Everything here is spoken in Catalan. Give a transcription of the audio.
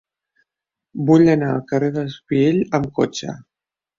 Vull anar al carrer d'Espiell amb cotxe.